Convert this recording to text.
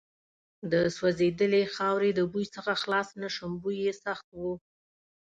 د سوځېدلې خاورې د بوی څخه خلاص نه شوم، بوی یې سخت و.